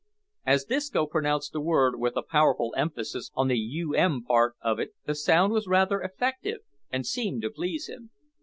As Disco pronounced the word with a powerful emphasis on the u m part of it the sound was rather effective, and seemed to please him.